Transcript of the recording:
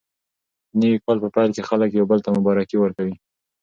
د نوي کال په پیل کې خلک یو بل ته مبارکي ورکوي.